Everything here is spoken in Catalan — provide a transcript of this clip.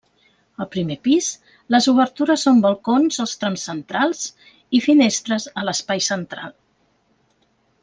Al primer pis, les obertures són balcons, als trams centrals, i finestres, a l'espai central.